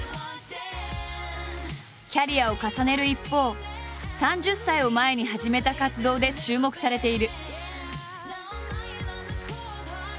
キャリアを重ねる一方３０歳を前に始めた活動で注目されている。